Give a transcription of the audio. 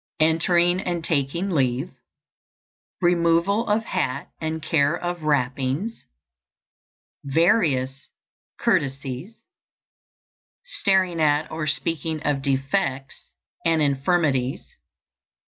Entering and taking leave. Removal of hat and care of wrappings. Various courtesies. _Staring at or speaking of defects and infirmities.